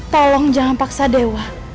tolong jangan paksa dewa